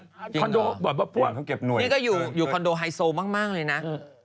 จริงเหรอคอนโดบอกว่าพวกเขาเก็บหน่วยเกินนี่ก็อยู่คอนโดไฮโซมากเลยนะ